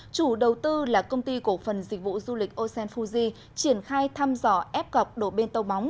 chủ đầu tư là công ty cổ phần dịch vụ du lịch osen fuji triển khai thăm dò ép gọc đồ bên tàu móng